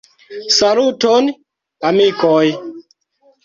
Saluton, amikoj!